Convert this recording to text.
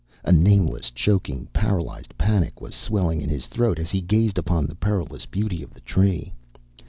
A nameless, choking, paralyzed panic was swelling in his throat as he gazed upon the perilous beauty of the Tree.